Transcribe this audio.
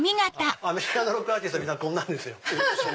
アメリカのロックアーティストはみんなこんなんですよ。